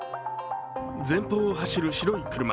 前方を走る白い車。